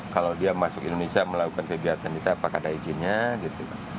kalau dia masuk indonesia melakukan kegiatan itu apakah ada izinnya gitu